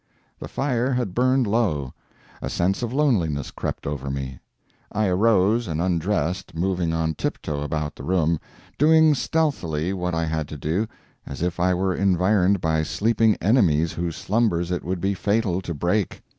The fire had burned low. A sense of loneliness crept over me. I arose and undressed, moving on tiptoe about the room, doing stealthily what I had to do, as if I were environed by sleeping enemies whose slumbers it would be fatal to break.